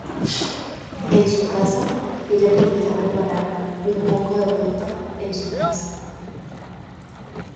En su casa, ella comienza a preparar un poco de vodka en su taza.